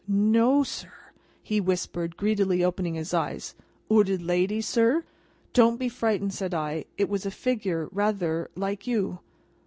"No, sir?" he whispered, greedily opening his eyes. "'Ooded lady, sir?" "Don't be frightened," said I. "It was a figure rather like you."